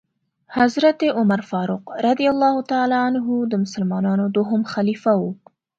حضرت عمرفاروق رضی الله تعالی عنه د مسلمانانو دوهم خليفه وو .